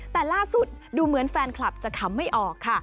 แต่ล่าสุดดูเหมือนแฟนคลับจะขำไม่ออกค่ะ